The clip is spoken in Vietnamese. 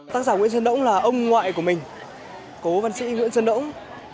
tác giả nguyễn sơn đỗng là ông ngoại của mình cố văn sĩ nguyễn sơn đỗng